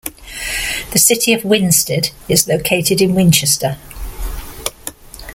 The City of Winsted is located in Winchester.